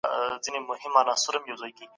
زه استاد ته ګورم.